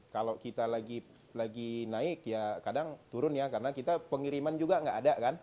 kalau kita lagi naik ya kadang turun ya karena kita pengiriman juga nggak ada kan